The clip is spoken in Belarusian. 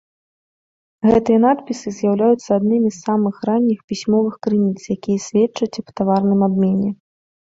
Гэтыя надпісы з'яўляюцца аднымі з самых ранніх пісьмовых крыніц, якія сведчаць аб таварным абмене.